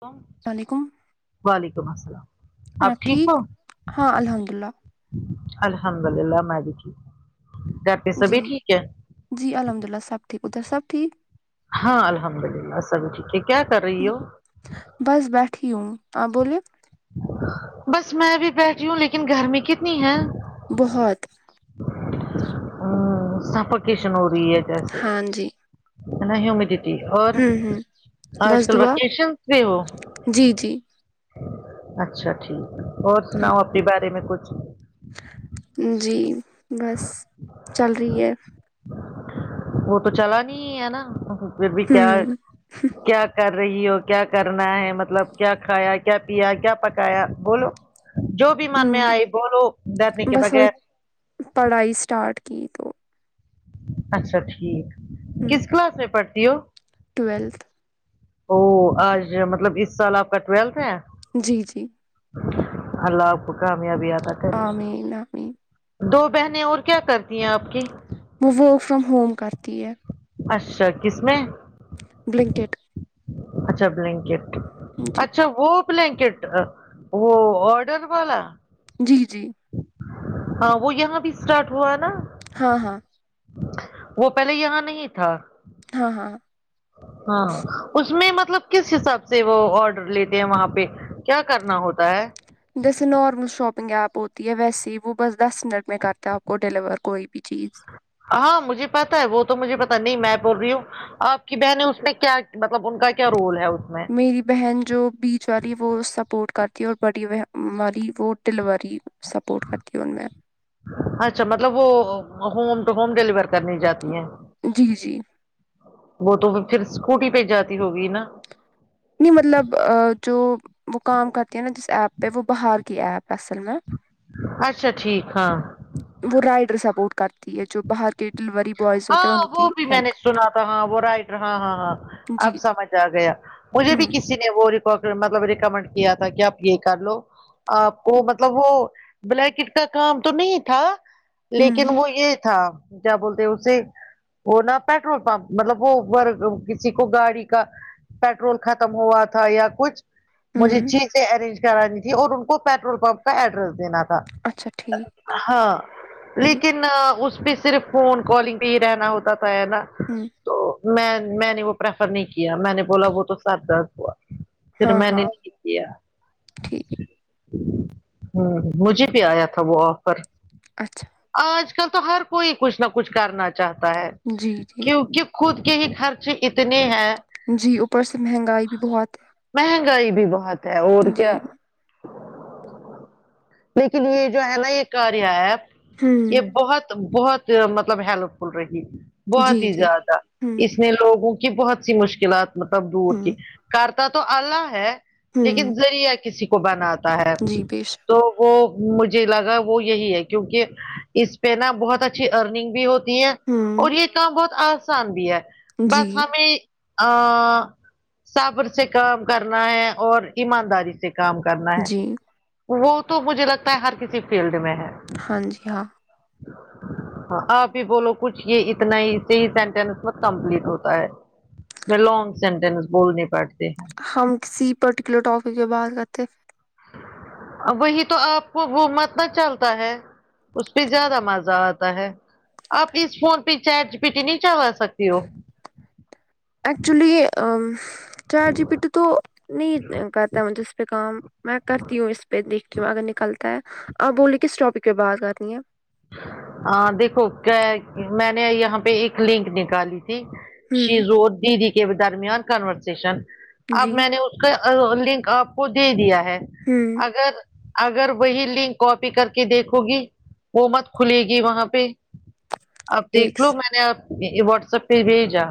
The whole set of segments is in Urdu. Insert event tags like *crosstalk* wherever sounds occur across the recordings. کون السلا م علیکم وعلیکم السلام آپ ٹھیک ہو ہاں الحمد للہ الحمد للہ میں بھی ٹھیک ہوں گھر پہ سب جی ہی ٹھیک ہے جی الحمد للہ سب ٹھیک ادھر سب ٹھیک ہاں الحمد للہ سب ٹھیک ہے کیا کر رہی ہو بس بیٹھی ہوں آپ بولیے بس میں بھی بیٹھی ہوں لیکن گرمی کتنی ہے بہت ا سفکیشن ہو رہی ہے جیسے ہاں جی نہی ںوں میں اور ہوں ہوں آج بس کل دعا ویکیشن پے ہو جی جی اچھا ٹھیک اور سناؤ اپنے بارے میں کچھ جی بس چل رہی ہے وہ تو چلا نی ہی ہے نا پھر بھی کیا ہے ہوں کیا کر رہی ہو کیا کرنا ہے مطلب کیا کھایا کیا پیا کیا پکایا بولو جو بھی من میں ہ آے بولو ڈرنے کے بس ابھی بغیر پڑھائی اسٹارٹ کی تو اچھا ٹھیک ہ کس کلاس میں پڑھتی ہو ٹویلتھ او آج مطلب اس سال آپ کا ٹویلتھ ہے جی جی اللہ آپ کو کامیابی عطا کرے امین امین دو بہنیں اور کیا کرتی ہیں آپ کی وہ ورک فرم ہوم کرتی ہے اچھا کس میں بلنکٹ اچھا بلینکٹ جی اچھا وہ بلینکٹ وہ آرڈر والا جی جی ہاں وہ یہاں بھی اسٹارٹ ہوا نا ہاں ہاں وہ پہلے یہاں نہیں تھا ہاں ہاں ہاں اس میں مطلب کس حساب سے وہ آرڈر لیتے ہیں وہاں پہ کیا کرنا ہوتا ہے جیسے نارمل شاپنگ ایپ ہوتی ہے ویسے ہی وہ بس دس منٹ میں کرتے ہیں آپ کو ڈیلیور کوئی بھی چیز ہاں مجھے پتا ہے وہ تو مجھے پتا نہیں میں بول رہی ہوں آپ کی بہنیں اس میں کیا مطلب ان کا کیا رول ہے اس میں میری بہن جو بیچ والی ہے وہ سپورٹ کرتی ہے اور بڑی ب ہ والی ڈیلیوری سپورٹ کر تی ان نے اچھا مطلب وہ ہوم تو ہوم ڈلیور کرنی جاتی ہیں جی جی وہ تو پھر اسکوٹی پہ جاتی ہوگی نا نہیں مطلب جو وہ کام کرتی ہے نا جس ایپ پہ وہ بہار کی ایپ اصل میں اچھا ٹھیک ہاں وہ رائڈر سپورٹ کرتی ہے جو باہر ڈلوری بوز ہاں وہ بھی میں نے سنا تھا ہاں وہ رائٹر ہاں ہاں ہاں کرتی۔ اب جی جی سمجھ آ گیا مجھے بھی ہوں کسی وہ مطلب ریکمنڈ کیا تھا کہ آپ یہ کر لو آپ کو مطلب وہ بلیکٹ کا کام تو نہیں تھا لیکن ہوں وہ یہ تھا کیا بولتے اسے وہ نا پیٹرول پمپ مطلب وہ اوبر کسی کو گاڑی کا پیٹرول ختم ہوا تھا یا کچھ مجھے ہوں چیزیں ارینج کرانی تھی اور ان کو پیٹرول پمپ کا ایڈریس دینا تھا اچھا ٹھیک ہاں جی لیکن اس پہ صرف فون کالنگ پہ ہی رہنا ہوتا تھا ہے نا ہممم تو میں میں نے وہ پریفر نہیں کیا میں نے بولا وہ تو سر درد ہوا پھر ہاں میں نے ہاں ٹھیک کیا ٹھیک ہاں مجھے بھی آیا تھا وہ آفر اچھا آج کل تو ہر کوئی کچھ نہ کچھ کرنا چاہتا ہے جی جی کیونکہ خود کے ہی خرچ اتنے ہیں جی اوپر سے مہنگائی بھی بہت ہے مہنگائی بھی بہت ہے اور کیا جی لیکن یہ جو ہے نا یہ کاریا ایپ یہ ہوں بہت بہت مطلب ہیلپ فل رہی جی بہت ہی جی زیادہ ہوں اس نے لوگوں کی بہت سی مشکلات مطلب دور کی ہوں کرتا تو اللہ ہے لیکن ہوں ذریعہ کسی کو بناتا ہے جی بے شک تو وہ مجھے لگا وہ یہی ہے کیونکہ اس پہ نا بہت اچھی ارننگ بھی ہوتی ہوں اور یہ کام بہت آسان بھی ہے بس جی ہمیں ا صبر سے کام کرنا ہے اور ایمانداری سے کام کرنا ہے جی وہ تو مجھے لگتا ہے ہر کسی فیلڈ میں ہے ہاں جی ہاں ہاں آپ ہی بولو کچھ یہ اتنا ہی صحیح سینٹینس میں کمپلیٹ ہوتا ہے اس میں لانگ سینٹینس بولنے پڑتے ہیں ہم کسی پرٹیکولر ٹاپک کے بات کرتے وہی تو آپ کو وہ مت نہ چلتا ہے اس پہ زیادہ مزہ آتا ہے آپ اس فون پہ چیٹ جی پی ٹی نہیں چلوا سکتی ہو ایکچولی چیٹ جی پی ٹی تو نہیں کر ھ اس پہ کام میں کرتی ہوں اس پہ دیکھتی ہوں اگر نکلتا ہے آپ بولیے کس ٹاپک پہ بات کرنی ہے ہاں دیکھو کیا میں نے یہاں پہ ایک لنک نکالی تھی شیز ہوں دیدی کے درمیان کانورسشن اب جی میں نے اس کا لنک آپ کو دے دیا ہے ہوں اگر اگر وہی لنک کاپی کر کے دیکھو گی وہ مت کھلے گی وہاں پہ اپ ایک دیکھ لو میں نے آپ یہ واٹس ایپ پہ بھیجا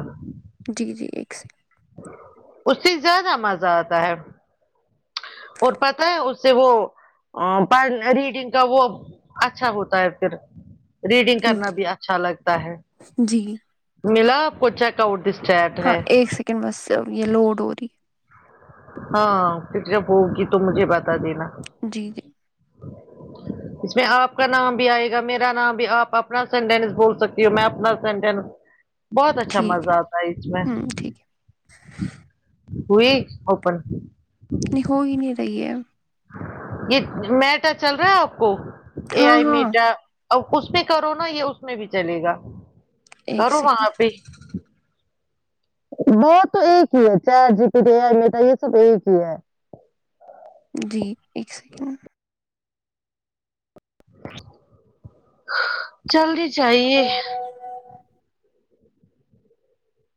جی جی ایک س اس سے زیادہ مزہ آتا ہے اور پتہ ہے اس سے وہ ا ریڈنگ کا وہ اچھا ہوتا ہے پھر ریڈنگ سیکنڈ کرنا بھی اچھا لگتا ہے جی ملا آپ کو چیک آؤٹ دس چیڈ ہاں ایک سیکنڈ بس یہ لوڈ ہو رہی ہاں پھر جب ہوگی تو مجھے بتا دینا جی جی اس میں آپ کا نام بھی آئے گا میرا نام بھی آپ اپنا سینٹینس بول سکتی ہو میں اپنا سینٹینس بہت اچھا ٹھیک مزہ آتا ہے اس میں ہوں ٹھیک ہے ہوئی *unintelligible* نہیں ہو ہی نہیں رہی ہے یہ میٹا چل رہا ہے آپ کو اے ہاں آئی ہاں میٹا اب اس پہ کرو نا یہ اس میں بھی چلے گا ایک کرو وہاں سیکنڈ پہ وہ تو ایک ہی ہے چیٹ جی پی ٹی میٹا یہ سب ایک ہی ہے جی ایک سیکنڈ جلدی چاہے ہیلو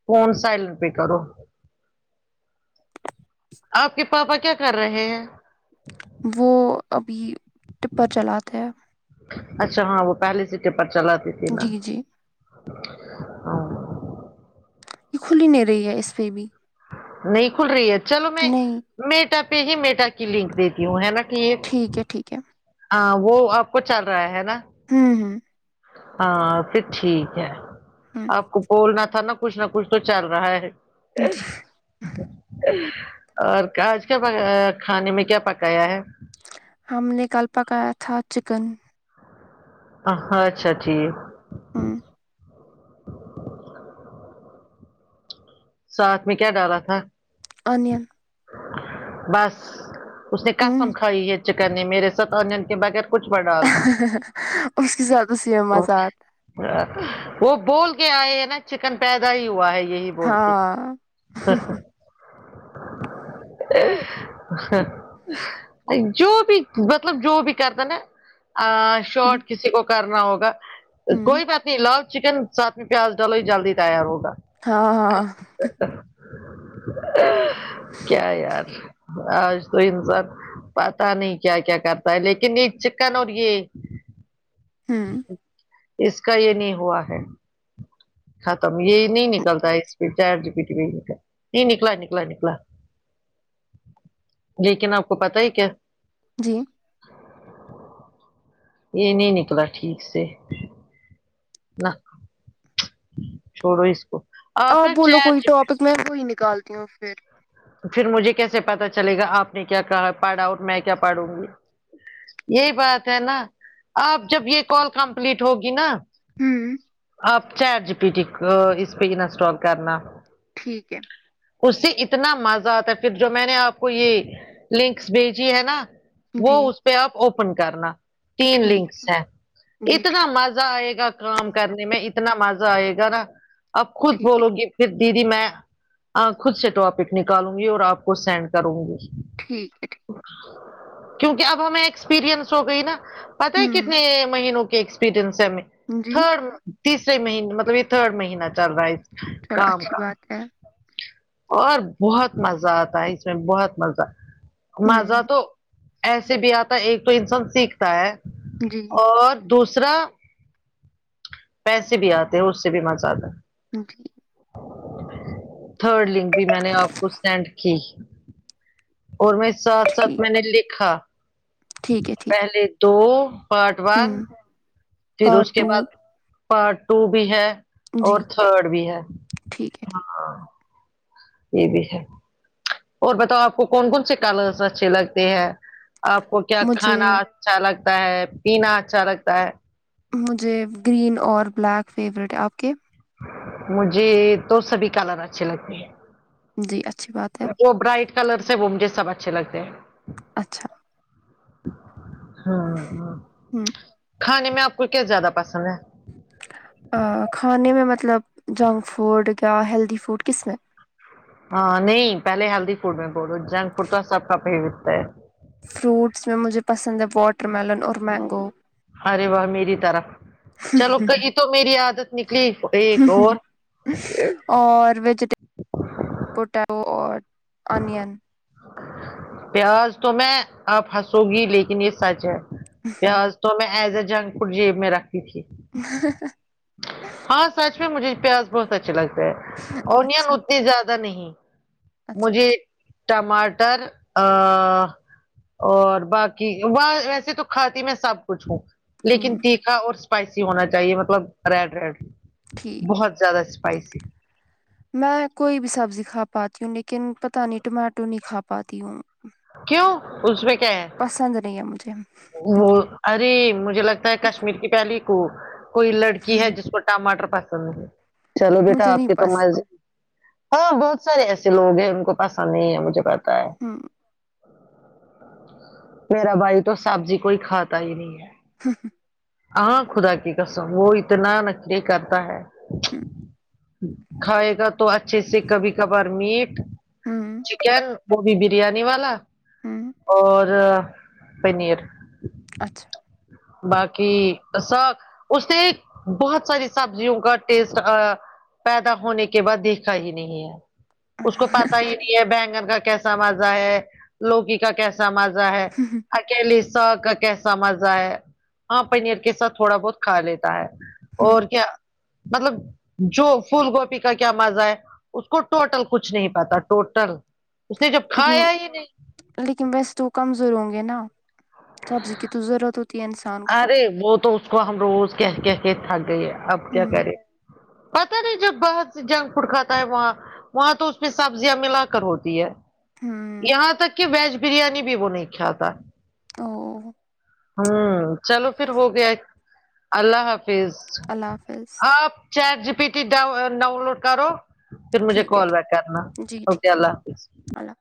فون سائلنٹ پہ کرو آپ کے پاپا کیا کر رہے ہیں وہ ابھی ٹپر چلاتے ہیں اچھا ہاں وہ پہلی ٹپر چلاتی تھی نا جی جی ہاں یہ کھلی نہیں رہی ہے اس پہ بھی نہیں کھل رہی ہے چلو میں نہیں میٹا پہ ہی میٹا کی لنک دیتی ہوں ہے نا ٹھیک ہے ٹھیک ہے ہاں وہ آپ کو چل رہا ہے نا ہوں ہوں ہاں پھر ٹھیک ہے ہوں آپ کو بولنا تھا نا کچھ نہ کچھ تو چل رہا ہے جی اور کاج کیا پکایا ہے کھانے میں کیا پکایا ہے ہم نے کل پکایا تھا چکن ہاں اچھا ٹھیک ہمم ساتھ میں کیا ڈالا تھا انین بس اس نے ہوں قسم کھائی ہے چکن نے میرے ساتھ این کے بغیر کچھ مت ڈالنا اس کے ساتھ اس یہ مزہ آتا وہ بول کے آئے ہے نا چکن پیدا ہی ہوا ہے یہی بول کے ہاں جو بھی مطلب جو بھی کرد نا ا شارٹ ہوں کسی کو کر ہوگا ہوں کوئی بات نہیں لاو چکن ساتھ میں پیاز ڈالو ہی جلدی تیار ہوگا ہاں ہاں *inaudible* کیا یار آج تو انسان پتا نہیں کیا کیا کرتا ہے لیکن یہ چکن اور یہ ہوں اس کا یہ نہیں ہوا ہے ختم یہ نہیں نکلتا اسپڈ چیٹ جی پی ٹی نہیں نکلا نکلا نکلا لیکن آپ کو پتا ہی کیا جی یہ نہیں نکلا ٹھیک سے نہ چھوڑو اس کو آپ نا بولو چیٹ کوئی جی پی- ٹاپک میں وہی نکالتی ہوں پھر پھر مجھے کیسے پتا چلے گا آپ نے کیا کہا پڑھا اور میں کیا پڑھوں گی یہی بات ہے نا آپ جب یہ کال کمپلیٹ ہوگی نا ہوں آپ چاٹ جی پی اس پہ انسٹال کرنا ٹھیک ہے اس سے ات اتنا مزہ آتا ہے پھر جو میں نے آپ کو یہ لنکس بھیجی ہے نا ہے وہ جی اس پہ آپ اوپن کرنا تین ٹھیک لنکس ہیں جی ٹھیک اتنا مز ہے مزہ آئے گا کام کرنے میں اتنا مزہ آئے گا نا اب خود ٹھیک بولو گے پھر دیدی میں خود سے ٹاپک نکالوں گی اور آپ کو سینڈ کروں گی ہے ٹھیک ہے کیونکہ اب ہمیں ایکسپیرئنس ہو گئی نا پتہ ہے کتنے مہینوں کے ایکسپیرنس ہے ہمیں جی تھرڈ تیسرے مہینے مطلب یہ تھرڈ مہینہ چل رہا ہے چلو کام اچھی کا بات ہے اور بہت مزہ آتا ہے اس میں بہت مزہ ہوں مزہ تو ایسے بھی آتا ہے ایک تو انسان سیکھتا ہے جی اور دوسرا پیسے بھی آتے ہیں اس سے بھی مزہ آتا ہے جی تھرڈ لنک بھی میں نے آپ کو سینڈ کی اور میں ساتھ ساتھ ٹھیک میں نے لکھا ٹھیک ہے ٹھیک پہلے دو پارٹ ہے ون ہوں پھر پارٹ اس کے ٹو بعد پارٹ ٹو بھی ہے اور جی تھرڈ بھی ہے ٹھیک ہے ٹھیک ہاں یہ بھی ہے اور بتاؤ آپ کو کون کون سے کالرس اچھے لگتے ہیں آپ کو کیا مجھے کھانا اچھا لگتا ہے پینا اچھا لگتا ہے مجھے گرین اور بلیک فیوریٹ ہے آپ کے مجھے تو سبھی کلر اچھے لگتے ہیں جی اچھی بات ہے وہ برائٹ کلرس ہے وہ مجھے سب اچھے لگتے ہیں اچھا ہاں ہاں ہمم کھانے میں آپ کو کیا زیادہ پسند ہے کھانے میں مطلب جنگ فوڈ کیا ہیلدی فوڈ کس میں ہاں نہیں پہلے ہیلدی فوڈ میں بولو جنگ فوڈ تو سب کا فیوریٹ ہے فروٹس میں مجھے پسند ہے واٹر میلن اور مینگو ارے واہ میری طرح چلو کئی تو میری عادت نکلی ہاں ایک اور ہ ہ اور ویجیٹی پوٹیٹو اور انین پیاز تو میں آپ ہنسو گی لیکن یہ سچ ہے پیاز تو میں ایز اے جنک فڈ جیب میں رکھتی تھی ہاں سچ میں مجھے پیاز بہت اچھے لگتا ہے اونین اچھا اتنی زیادہ نہیں اچھا مجھے اچھا ٹماٹر ا اور باقی ویسے تو کھاتی میں سب کچھ ہوں لیکن ہ تیکھا اور اسپائسی ہونا چاہیے مطلب ریڈ ریڈ ٹھیک بہت زیادہ اسپائسی میں کوئی بھی سبزی کھا پاتی ہوں لیکن پتا نہیں ٹماٹو نہیں کھا پاتی ہوں کیوں اس میں کیا ہے پسند نہیں ہے مجھے وہ ارے مجھے لگتا ہے کشمیر کی پہلی کو کوئی لڑکی ہے جس پر ٹماٹر پسند نہیں چلو بیٹا مجھے آپ نہیں کے تو پسند مزے ہاں بہت سارے ایسے لوگ ہیں ان کو پسند نہیں ہے مجھے پتا ہے ہمم میرا بھائی تو سبزی کوئی کھاتا ہی نہیں ہے ہ ہاں خدا کی قسم وہ اتنا نکری کرتا ہے ہمم کھائے گا تو اچھے سے کبھی کبھار میٹ ہ چکن وه بھی بریانی والا ہ اور پنیر اچھا باقی ا سب اس سے بہت ساری سبزیوں کا ٹیسٹ ایا پیدا ہونے کے بعد دیکھا ہی نہیں ہے اس ہ کو پتا ہی نہیں ہے بینگن کا کیسا مزہ ہے لوکی کا کیسا سا مزا ہے اکیلی ساگ کا کیسا مزہ ہے ہاں پنیر کے ساتھ تھوڑا بہت کھا لیتا ہے اور کیا مطلب جو پھول گوبھی کا کیا مزہ ہے اس کو ٹوٹل کچھ نہیں پتا ٹوٹل اس نے جب لیکن کھایا ہی نہیں لیکن ویسے تو کمزور ہوں گے نا سبزی کی تو ضرورت ہوتی ہے انسان کو ارے وہ تو اس کو ہم روز کہ کہ کے تھک گئے اب ہ کیا کرے پتاہ نہیں جب بہت سے جنک فوڈ کھاتا ہے وہاں وہاں تو اس پ سبزیاں ملا کر ہوتی ہے ہ یہاں تک کہ ویج بریانی بھی وہ نہیں کھاتا او ہوں چلو پھر ہو گیا اللہ حافظ اللہ حافظ آپ چیٹ جی پی ٹی ڈا ڈاؤن لوڈ کرو پھر مجھے ٹھیک ہے کال ٹھیک بیک کرنا جی اوکے ٹھیک ہے اللہ حافظ اللہ